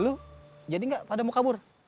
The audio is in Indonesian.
lo jadi gak pada mau kabur